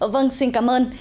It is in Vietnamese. vâng xin cảm ơn